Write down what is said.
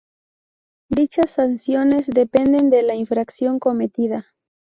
Dichas sanciones dependen de la infracción cometida.